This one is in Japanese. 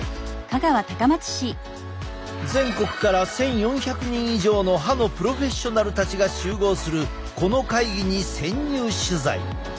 全国から１，４００人以上の歯のプロフェッショナルたちが集合するこの会議に潜入取材。